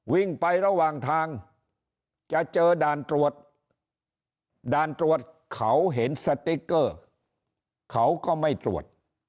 วิ่งไประหว่างทางจะเจอด่านตรวจด่านตรวจเขาเห็นสติ๊กเกอร์เขาก็ไม่ตรวจ